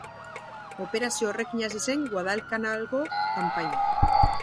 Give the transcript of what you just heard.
Operazio horrekin hasi zen Guadalcanalgo kanpaina.